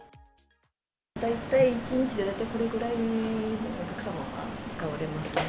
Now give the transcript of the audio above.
大体１日で、大体これぐらいのお客様が使われますね。